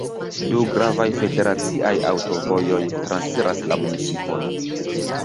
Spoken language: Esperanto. Du gravaj federaciaj aŭtovojoj transiras la municipon.